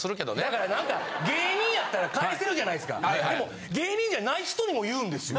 だからなんか芸人やったら返せるじゃないですかでも芸人やない人にも言うんですよ。